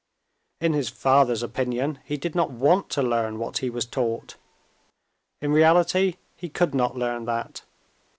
In his father's opinion, he did not want to learn what he was taught. In reality he could not learn that.